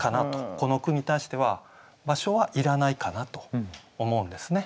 この句に対しては場所はいらないかなと思うんですね。